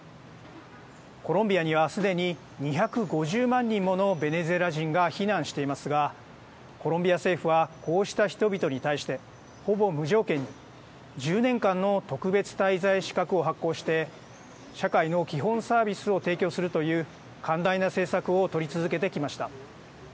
コロンビアには、すでに２５０万人ものベネズエラ人が避難していますがコロンビア政府はこうした人々に対してほぼ無条件に１０年間の特別滞在資格を発行して社会の基本サービスを提供するという寛大な政策を取り続けてきました。